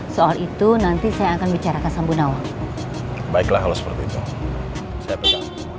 saya tidak akan tinggal diam